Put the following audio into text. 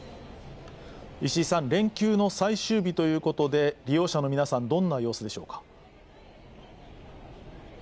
石井さん、連休の最終日ということで、利用者の皆さん、どんな様子でしょうか。